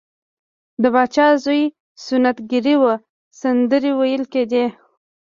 د پاچا د زوی سنت ګیری وه سندرې ویل کیدې.